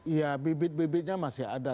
iya bibit bibitnya masih ada